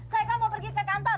saya kamu pergi ke kantor